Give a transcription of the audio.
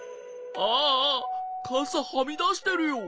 ああかさはみだしてるよ。